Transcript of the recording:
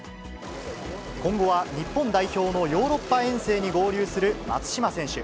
今後は日本代表のヨーロッパ遠征に合流する松島選手。